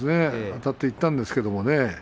あたっていったんですけれどもね。